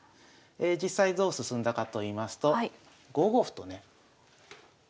実際どう進んだかといいますと５五歩とね。